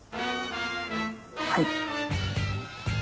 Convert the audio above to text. はい。